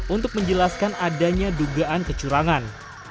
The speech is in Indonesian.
untuk menjelaskan adanya dugaan kecurangan